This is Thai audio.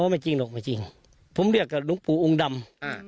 ไม่จริงหรอกไม่จริงผมเรียกกับหลวงปู่องค์ดำอ่า